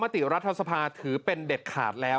ติรัฐสภาถือเป็นเด็ดขาดแล้ว